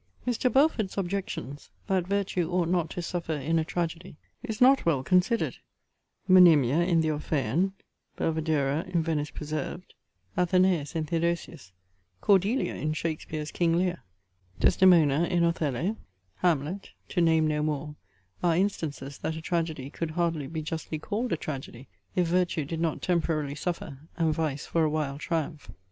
* Mr. Belford's objections, That virtue ought not to suffer in a tragedy, is not well considered: Monimia in the Orphean, Belvidera in Venice Preserved, Athenais in Theodosius, Cordelia in Shakespeare's King Lear, Desdemona in Othello, Hamlet, (to name no more,) are instances that a tragedy could hardly be justly called a tragedy, if virtue did not temporarily suffer, and vice for a while triumph.